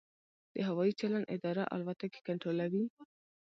د هوايي چلند اداره الوتکې کنټرولوي؟